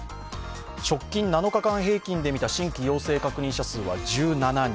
直近７日間平均で見た新規陽性確認者数は１７人。